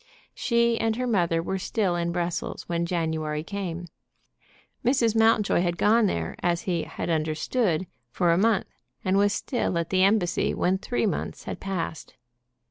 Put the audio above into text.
She and her mother were still at Brussels when January came. Mrs. Mountjoy had gone there, as he had understood, for a month, and was still at the embassy when three months had passed.